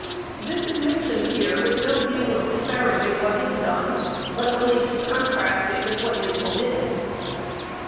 This is mentioned here with no view of disparaging what is done, but only to contrast it with what is omitted.